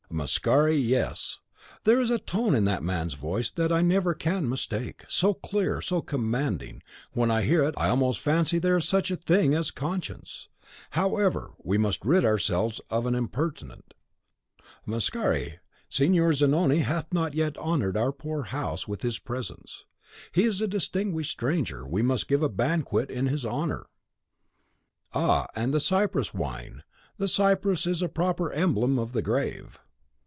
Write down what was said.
"Mascari, yes. There is a tone in that man's voice that I never can mistake; so clear, and so commanding, when I hear it I almost fancy there is such a thing as conscience. However, we must rid ourselves of an impertinent. Mascari, Signor Zanoni hath not yet honoured our poor house with his presence. He is a distinguished stranger, we must give a banquet in his honour." "Ah, and the Cyprus wine! The cypress is a proper emblem of the grave."